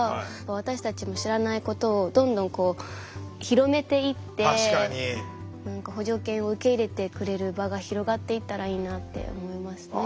私たちの知らないことをどんどん広めていって補助犬を受け入れてくれる場が広がっていったらいいなって思いましたね。